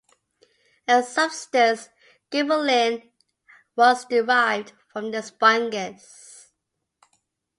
A substance, gibberellin, was derived from this fungus.